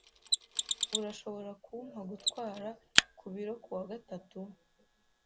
Urashobora kumpa gutwara ku biro kuwa gatatu?